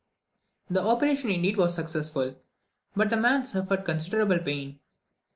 The operation indeed was successful, but the man suffered considerable pain.